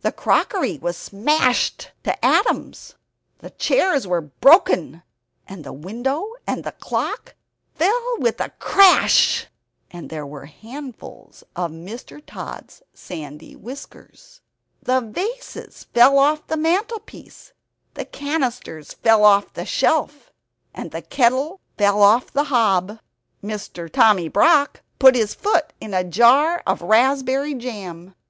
The crockery was smashed to atoms. The chairs were broken, and the window, and the clock fell with a crash, and there were handfuls of Mr. Tod's sandy whiskers. The vases fell off the mantelpiece, the cannisters fell off the shelf; the kettle fell off the hob. Tommy Brock put his foot in a jar of raspberry jam.